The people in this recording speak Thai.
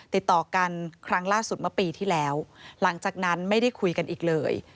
ติดต่อกันครั้งล่าสุดเมื่อปีที่แล้วหลังจากนั้นไม่ได้คุยกันอีกเลย